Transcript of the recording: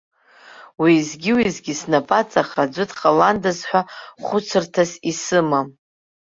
Уеизгьы-уеизгьы снапаҵаҟа аӡәы дҟаландаз ҳәа хәыцырҭас исымам.